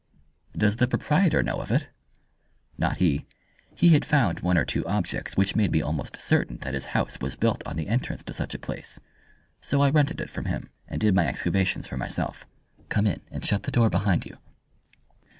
"Does the proprietor know of it?" "Not he. He had found one or two objects which made me almost certain that his house was built on the entrance to such a place. So I rented it from him, and did my excavations for myself. Come in, and shut the door behind you."